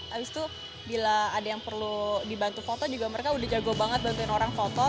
habis itu bila ada yang perlu dibantu foto juga mereka udah jago banget bantuin orang foto